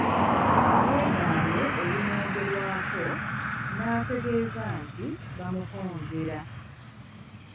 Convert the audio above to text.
Yeegaanye ebimwogerwako n’ategeeza nti bamukonjera.